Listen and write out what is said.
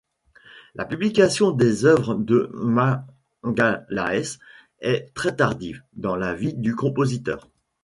La publication des œuvres de Magalhães est très tardive dans la vie du compositeur.